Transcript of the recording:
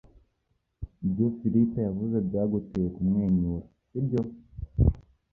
Ibyo Philip yavuze byaguteye kumwenyura, sibyo?